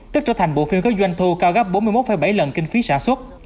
tức trở thành bộ phim có doanh thu cao gấp bốn mươi một bảy lần kinh phí sản xuất